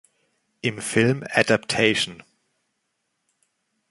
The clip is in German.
Im Film Adaptation.